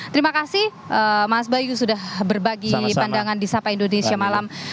terima kasih mas bayu sudah berbagi pandangan di sapa indonesia malam